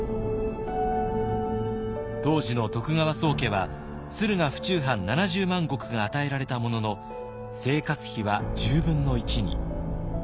当時の徳川宗家は駿河府中藩７０万石が与えられたものの生活費は１０分の１に。